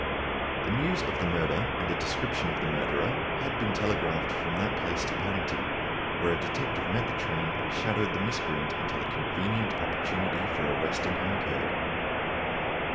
The news of the murder and a description of the murderer had been telegraphed from that place to Paddington, where a detective met the train and shadowed the miscreant until a convenient opportunity for arresting him occurred.